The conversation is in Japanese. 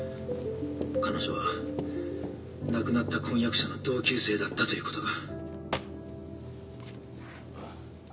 彼女は亡くなった婚約者の同級生だったということが。